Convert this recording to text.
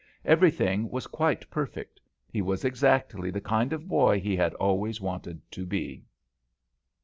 Everything was quite perfect; he was exactly the kind of boy he had always wanted to be.